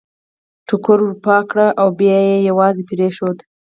ټوکر ور پاک کړ او بیا یې یوازې پرېښود.